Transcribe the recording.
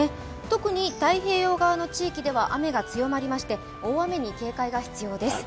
特に太平洋側の地域では雨が強まりまして、大雨に警戒が必要です。